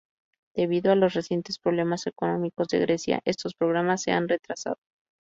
Debido a los recientes problemas económicos de Grecia, estos programas se han retrasado.